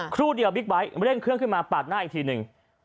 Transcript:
ครู่เดียวบิ๊กไบท์เร่งเครื่องขึ้นมาปาดหน้าอีกทีหนึ่ง